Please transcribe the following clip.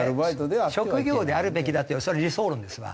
職業であるべきだってそれは理想論ですわ。